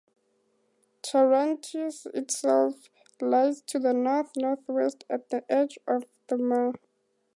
Taruntius itself lies to the north-northwest, at the edge of the mare.